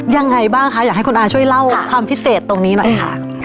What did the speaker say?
ยังไงบ้างคะอยากให้คุณอาช่วยเล่าความพิเศษตรงนี้หน่อยค่ะ